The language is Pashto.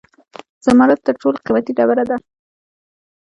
زمرد تر ټولو قیمتي ډبره ده